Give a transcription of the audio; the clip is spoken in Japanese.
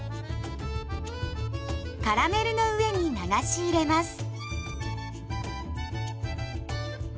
カラメルの上に流し入れます。